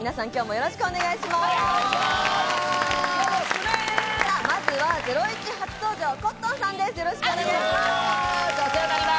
よろしくお願いします。